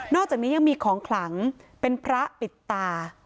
อกจากนี้ยังมีของขลังเป็นพระปิดตา